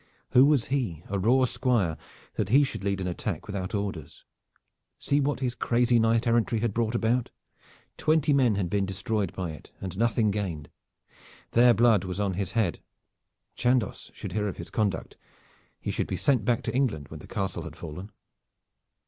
Who was he, a raw squire, that he should lead an attack without orders? See what his crazy knight errantry had brought about. Twenty men had been destroyed by it and nothing gained. Their blood was on his head. Chandos should hear of his conduct. He should be sent back to England when the castle had fallen.